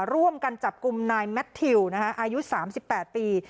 ร่วมกันจับกลุ่มนายแมททิวอายุ๓๘ปี